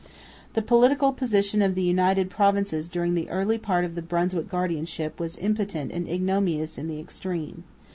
The political position of the United Provinces during the early part of the Brunswick guardianship was impotent and ignominious in the extreme.